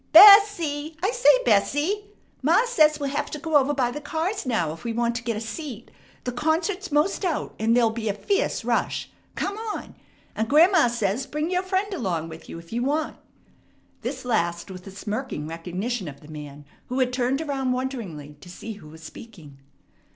B es see! I say, Bessie! Ma says we'll have to go over by the cars now if we want to get a seat. The concert's most out, and there'll be a fierce rush. Come on! And grandma says, bring your friend along with you if you want." This last with a smirking recognition of the man, who had turned around wonderingly to see who was speaking.